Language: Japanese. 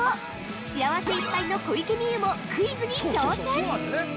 幸せいっぱいの小池美由もクイズに挑戦！